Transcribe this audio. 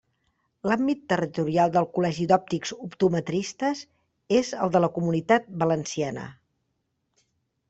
L'àmbit territorial del Col·legi d'Òptics Optometristes és el de la Comunitat Valenciana.